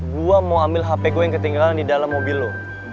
gue mau ambil hp gue yang ketinggalan di dalam mobil lo